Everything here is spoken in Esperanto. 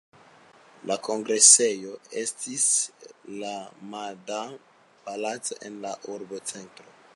La kongresejo estis la Madam-palaco en la urbocentro.